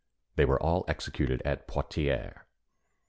They were all executed at Poitiers.